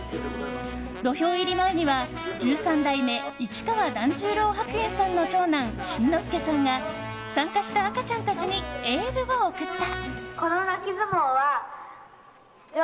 土俵入り前には十三代市川團十郎白猿さんの長男新之助さんが参加した赤ちゃんたちにエールを送った。